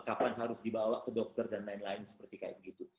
kapan harus dibawa ke dokter dan lain lain seperti kayak begitu